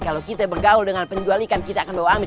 kalau kita bergaul dengan penjual ikan kita akan bawa anies